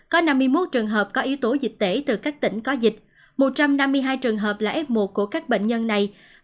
có năm mươi một trường hợp có yếu tố dịch tễ từ các tỉnh có dịch một trăm năm mươi hai trường hợp là f một của các bệnh nhân này